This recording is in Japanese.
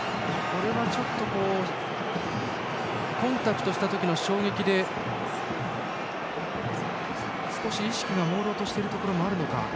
これはコンタクトした時の衝撃で少し意識がもうろうとしているところがあるか。